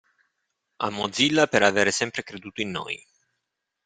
A Mozilla per aver sempre creduto in noi.